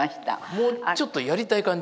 もうちょっとやりたい感じ？